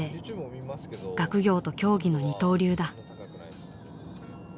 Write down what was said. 学業と競技の二刀流だ。